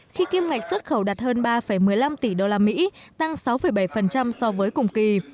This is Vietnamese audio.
khi kiêm ngạch xuất khẩu đạt hơn ba một mươi năm tỷ đô la mỹ tăng sáu bảy so với cùng kỳ